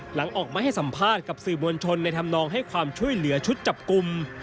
หลังออกมาให้สัมภาษณ์กับสื่อมวลชนในธรรมนองให้ความช่วยเหลือชุดจับกลุ่ม